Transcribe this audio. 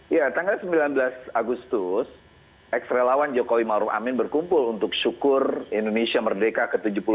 iya tanggal sembilan belas agustus ekstrelawan jokowi maruf amin berkumpul untuk syukur indonesia merdeka ke tujuh puluh lima